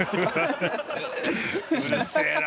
うるせえな。